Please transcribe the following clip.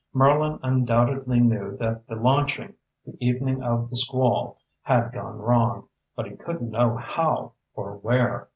Merlin undoubtedly knew that the launching the evening of the squall had gone wrong, but he couldn't know how, or where.